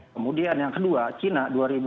kemudian yang kedua china dua ribu dua belas